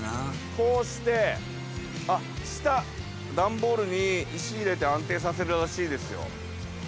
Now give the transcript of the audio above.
こうして、あっ、下、段ボールに石入れて安定させるらしいですよ。